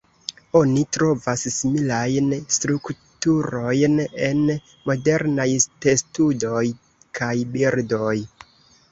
Oni trovas similajn strukturojn en modernaj testudoj kaj birdoj.